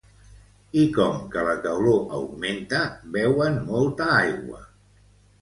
I com que la calor augmenta, beuen molta aigua.